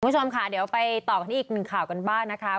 คุณผู้ชมค่ะเดี๋ยวไปต่อกันที่อีกหนึ่งข่าวกันบ้างนะคะ